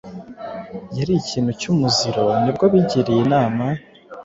yari ikintu cy’ umuziro Nibwo bigiriye inama